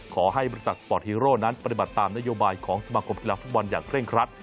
ขอให้บริษัทสปอร์ตฮีโร่นั้นปฏิบัติตามนโยบายของสมาคมกีฬาฟุตบอลอย่างเร่งครัด